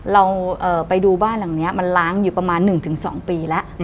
เราไปดูบ้านหลังนี้มันล้างอยู่ประมาณ๑๒ปีแล้ว